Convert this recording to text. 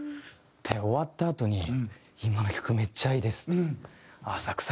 終わったあとに「今の曲めっちゃいいです」って。